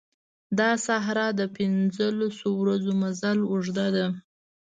دا صحرا د پنځه لسو ورځو مزل اوږده ده.